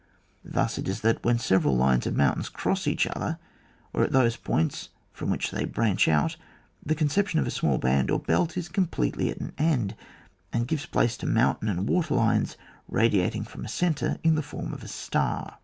Thus it is that, when several lines of mountains cross each other, or at those points fi'om which they branch out, the conception of a small band or belt is completely at an end, and gives place to mountain and water lines radiat ing from a centre in the form of a star.